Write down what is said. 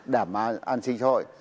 đảm bảo an sinh xã hội